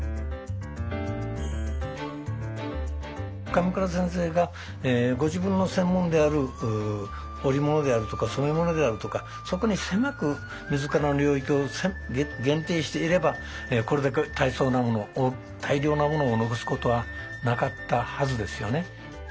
鎌倉先生がご自分の専門である織物であるとか染物であるとかそこに狭く自らの領域を限定していればこれだけ大層なものを大量なものを残すことはなかったはずですよね。